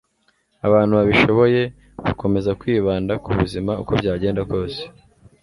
abantu babishoboye bakomeza kwibanda ku buzima uko byagenda kose